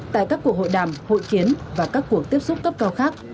tại các cuộc hội đàm hội kiến và các cuộc tiếp xúc cấp cao khác